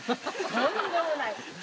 とんでもない。